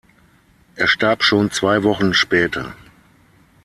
Er starb schon zwei Wochen später.